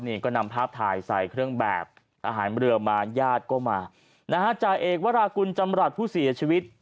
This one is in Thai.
นี่ก็นำภาพถ่ายใส่เครื่องแบบทหารเรือมาญาติก็มานะฮะจ่าเอกวรากุลจำรัฐผู้เสียชีวิต